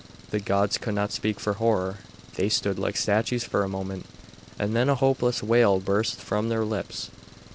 The gods could not speak for horror. They stood like statues for a moment, and then a hopeless wail burst from their lips.